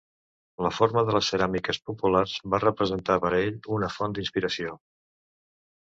La forma de les ceràmiques populars va representar per a ell una font d'inspiració.